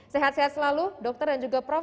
sehat sehat selalu dokter dan juga prof